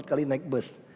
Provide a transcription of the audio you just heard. itu empat kali naik bus